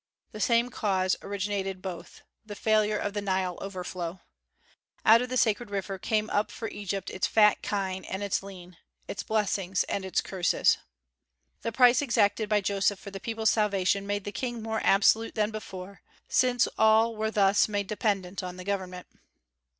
The same cause originated both, the failure of the Nile overflow. Out of the sacred river came up for Egypt its fat kine and its lean, its blessings and its curses. The price exacted by Joseph for the people's salvation made the King more absolute than before, since all were thus made dependent on the government.